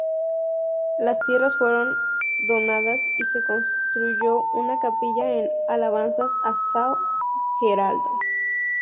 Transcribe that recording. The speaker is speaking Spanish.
Las tierras fueron donadas y se construyó una capilla en alabanza a Sao Geraldo.